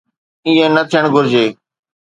ائين نه ٿيڻ گهرجي.